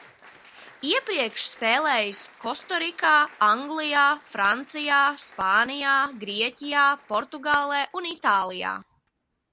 Iepriekš spēlējis Kostarikā, Anglijā, Francijā, Spānijā, Grieķijā, Portugālē un Itālijā.